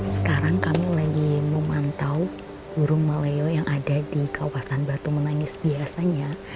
sekarang kami lagi memantau burung maleo yang ada di kawasan batu menangis biasanya